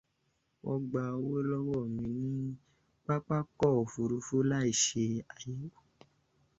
Wọ́n gba owó lọ́wọ́ mi ní pápákọ̀ òfurufú láì ṣe àyẹ̀wò.